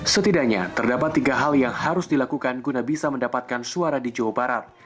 setidaknya terdapat tiga hal yang harus dilakukan guna bisa mendapatkan suara di jawa barat